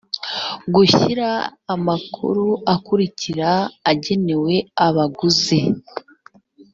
gushyira amakuru akurikira agenewe abaguzi